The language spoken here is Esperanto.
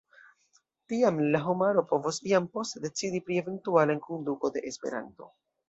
Tiam la homaro povos iam poste decidi pri eventuala enkonduko de Esperanto.